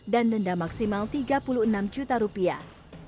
dan denda maksimal tiga puluh enam juta rupiah